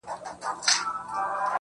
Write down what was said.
• په مړاوو گوتو كي قوت ډېر سي.